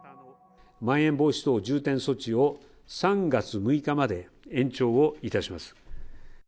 まん延防止等重点措置を３月６日まで延長をいたします。